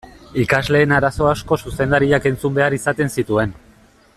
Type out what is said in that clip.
Ikasleen arazo asko zuzendariak entzun behar izaten zituen.